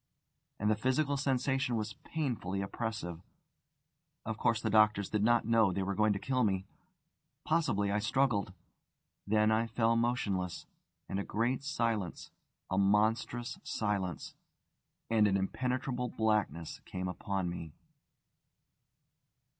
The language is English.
And the physical sensation was painfully oppressive. Of course the doctors did not know they were going to kill me. Possibly I struggled. Then I fell motionless, and a great silence, a monstrous silence, and an impenetrable blackness came upon me.